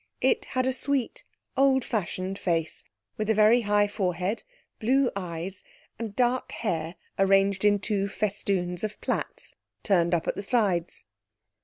It had a sweet, old fashioned face, with a very high forehead, blue eyes, and dark hair arranged in two festoons of plaits, turned up at the sides.